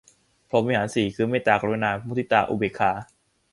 พรหมวิหารสี่ คือ เมตตา กรุณา มุทิตา อุเบกขา